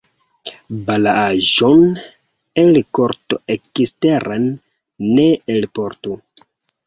Balaaĵon el korto eksteren ne elportu.